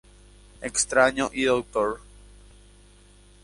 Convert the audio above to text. Extraño y Dr.